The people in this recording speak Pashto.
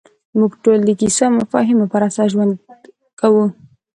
موږ ټول د کیسو او مفاهیمو پر اساس ژوند کوو.